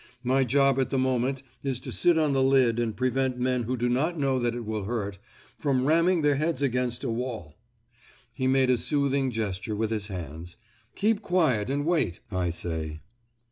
My job at the moment is to sit on the lid and prevent men who do not know that it will hurt, from ramming their heads against a wall." He made a soothing gesture with his hands, "Keep quiet and wait, I say."